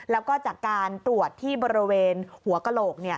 แล้วก็จากการตรวจที่บริเวณหัวกระโหลก